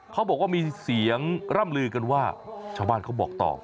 เขาบอกว่ามีเสียงร่ำลือกันว่าชาวบ้านเขาบอกต่อ